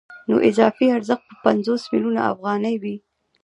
نو اضافي ارزښت به پنځوس میلیونه افغانۍ وي